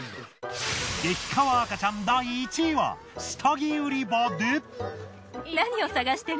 激カワ赤ちゃん第１位は下着売り場で。